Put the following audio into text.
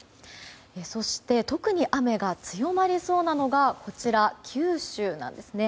そして特に雨が強まりそうなのが九州なんですね。